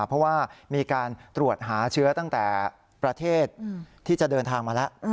เพราะว่ามีการตรวจหาเชื้อตั้งแต่ประเทศที่จะเดินทางมาแล้ว